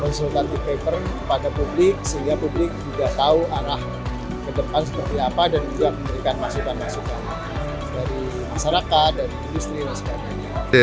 konsultantif paper pada publik sehingga publik juga tahu arah ke depan seperti apa dan juga memberikan masukan masukan dari masyarakat dari industri dan sebagainya